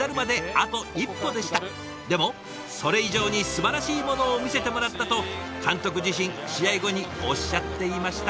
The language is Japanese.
でも「それ以上にすばらしいものを見せてもらった」と監督自身試合後におっしゃっていました。